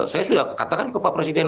saya sudah katakan ke pak presiden